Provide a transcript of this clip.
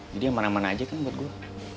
jadi yang mana mana aja kan buat gue